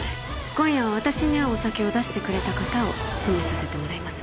今夜私に合うお酒を出してくれた方を指名させてもらいます